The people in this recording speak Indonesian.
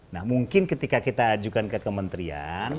nah mungkin ketika kita ajukan ke kementerian